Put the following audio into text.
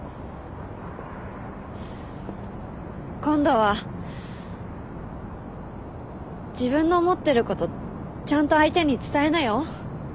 今度は自分の思ってることちゃんと相手に伝えなよ。